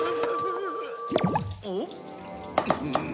おっ？